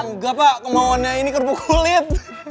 enggak pak kemauannya ini kerupuk kulit